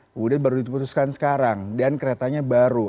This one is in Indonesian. kemudian baru diputuskan sekarang dan keretanya baru